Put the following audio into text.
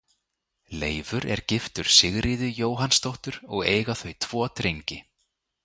Leifur er giftur Sigríði Jóhannsdóttur og eiga þau tvo drengi.